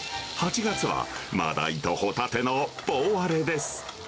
８月はマダイとホタテのポワレです。